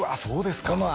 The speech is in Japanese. そうですか